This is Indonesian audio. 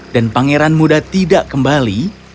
dan pangeran muda tidak kembali